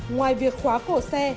ngoài việc khóa cổ xe